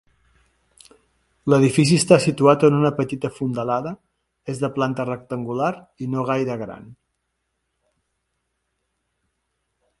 L'edifici està situat en una petita fondalada, és de planta rectangular i no gaire gran.